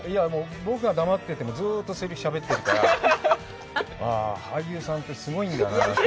僕が黙ってても、ずっとせりふしゃべってるから、ああ、俳優さんってすごいんだなぁって。